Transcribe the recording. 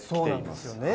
そうなんですよね。